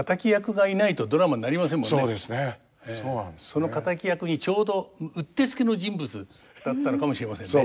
その敵役にちょうどうってつけの人物だったのかもしれませんね。